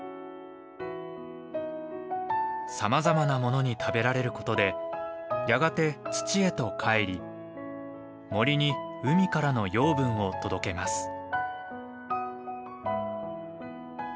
さまざまなものに食べられることでやがて土へと返り森に海からの養分を届けます。